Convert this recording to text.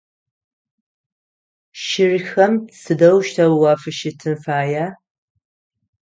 Щырхэм сыдэущтэу уафыщытын фая?